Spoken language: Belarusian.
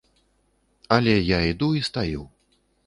Але я іду і стаю.